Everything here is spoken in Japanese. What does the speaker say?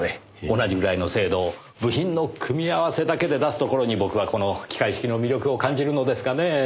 同じぐらいの精度を部品の組み合わせだけで出すところに僕はこの機械式の魅力を感じるのですがねえ。